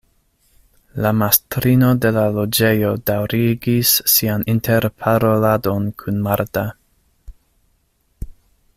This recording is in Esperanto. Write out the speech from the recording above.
La mastrino de la loĝejo daŭrigis sian interparoladon kun Marta.